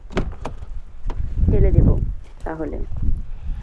ফেলে দেব, তাহলে!